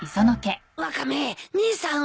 ワカメ姉さんは？